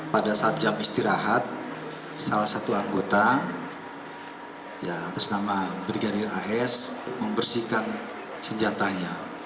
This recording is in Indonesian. pada saat jam istirahat salah satu anggota ya atas nama brigadir as membersihkan senjatanya